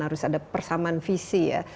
harus ada persamaan visi ya